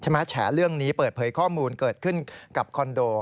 แฉเรื่องนี้เปิดเผยข้อมูลเกิดขึ้นกับคอนโด